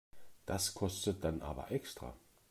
Das kostet dann aber extra.